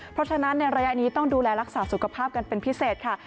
เพราะฉะนั้นในระยะนี้ต้องดูแลรักษาสุขภาพกันเป็นพิเศษค่ะ